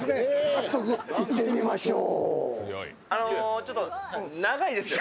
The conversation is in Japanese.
早速行ってみましょう。